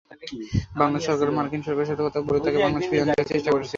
বাংলাদেশ সরকার মার্কিন সরকারের সাথে কথা বলে তাকে বাংলাদেশে ফিরিয়ে আনতে চেষ্টা করছে।